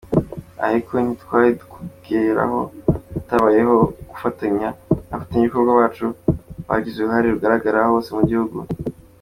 Ariko ntitwari kubgeraho hatabayeho gufatanya n’abafatanyabikorwa bacu bagize uruhare rugaragara hose mu gihugu.